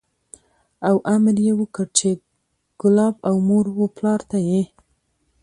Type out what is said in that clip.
او امر یې وکړ چې کلاب او مور و پلار ته یې